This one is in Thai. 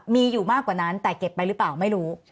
มีอยู่มากกว่านั้นแต่เก็บไปหรือเปล่าไม่รู้